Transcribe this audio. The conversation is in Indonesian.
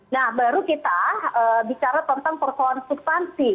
nah baru kita bicara tentang persoalan substansi